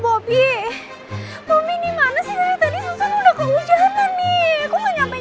bopi ini mana sih tadi tadi susan udah keujanan nih